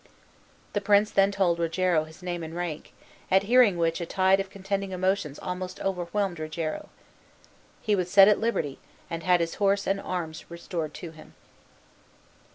The prince then told Rogero his name and rank, at hearing which a tide of contending emotions almost overwhelmed Rogero. He was set at liberty, and had his horse and arms restored to him.